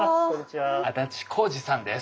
足立光司さんです。